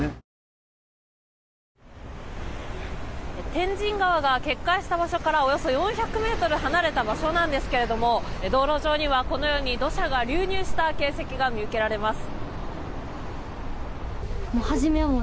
天神川が決壊した場所からおよそ４００ｍ離れた場所なんですが道路上には土砂が流入した形跡が見受けられます。